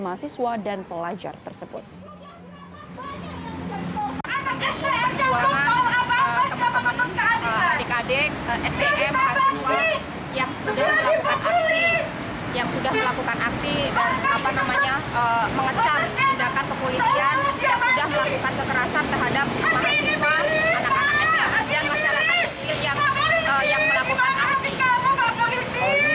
untuk mengecam aksi kekerasan